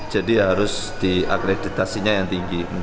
jadi harus diakreditasinya yang tinggi